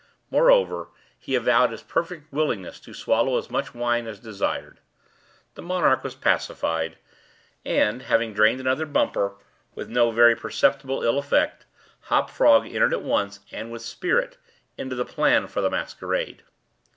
Moreover, he avowed his perfect willingness to swallow as much wine as desired. The monarch was pacified; and having drained another bumper with no very perceptible ill effect, Hop Frog entered at once, and with spirit, into the plans for the masquerade.